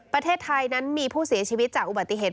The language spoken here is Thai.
ประเทศไทยนั้นมีผู้เสียชีวิตจากอุบัติเหตุ